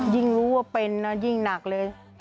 ยิ่งรู้ว่าเป็นนะยิ่งหนักเลย